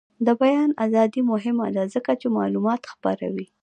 د بیان ازادي مهمه ده ځکه چې معلومات خپروي.